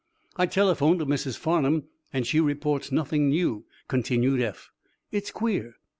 "I telephoned to Mrs. Farnum and she reports 'nothing new,'" continued Eph. "It's queer."